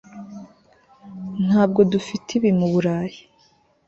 Ntabwo dufite ibi mu Burayi